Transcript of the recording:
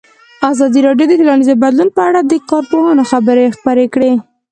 ازادي راډیو د ټولنیز بدلون په اړه د کارپوهانو خبرې خپرې کړي.